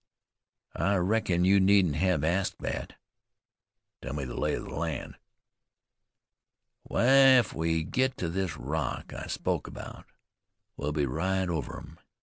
"I reckon you needn't hev asked thet." "Tell me the lay of the land." "Wai, if we get to this rock I spoke 'bout, we'll be right over 'em.